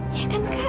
iya kan kak